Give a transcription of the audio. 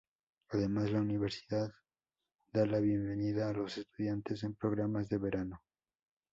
Además, la universidad da la bienvenida a los estudiantes en programas de verano.